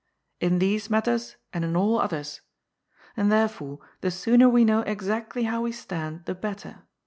" In these matters, and in all others. And therefore the sooner we know exactly how we stand, the better.